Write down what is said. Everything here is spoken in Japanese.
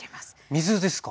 水ですか？